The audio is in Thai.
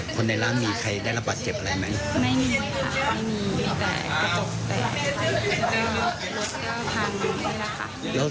พี่ได้รับบาดเจ็บอะไรมั้ย